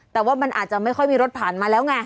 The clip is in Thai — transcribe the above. แต่ว่ามันอาจจะไม่ค่อยมีรถผ่านมาแล้วไง